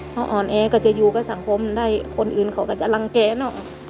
พออ่อนแอก็จะอยู่กับสังคมได้คนอื่นเขาก็จะรังแก่เนอะ